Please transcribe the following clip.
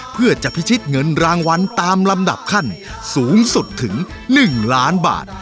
เพื่อจะพิชิตเงินรางวัลตามลำดับขั้นสูงสุดถึง๑ล้านบาท